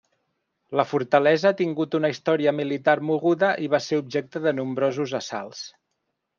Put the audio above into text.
La fortalesa ha tingut una història militar moguda i va ser objecte de nombrosos assalts.